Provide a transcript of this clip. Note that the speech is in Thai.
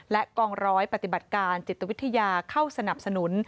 และกองร้อยปฏิบัติการจิตวิทยาเข้าสนับสนุน